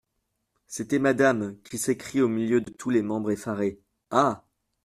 C’était Madame, qui s’écrie au milieu de tous les membres effarés : "Ah !